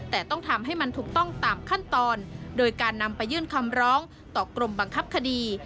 แต่ต้องทำให้มันถูกต้องตามขั้นตอนโดยการนำไปยื่นคำร้องต่อกรมบังคับคดี